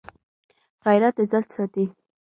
غیرت عزت ساتي